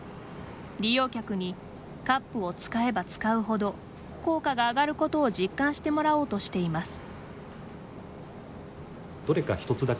利用客にカップを使えば使うほど効果が上がることを実感してもらおうとしています。